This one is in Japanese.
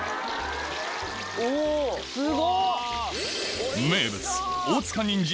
おすごっ！